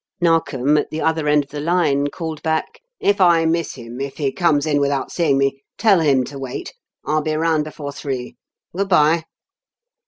Narkom, at the other end of the line, called back: "If I miss him, if he comes in without seeing me, tell him to wait; I'll be round before three. Good bye!"